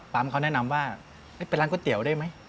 เขาแนะนำว่าเป็นร้านก๋วยเตี๋ยวได้ไหม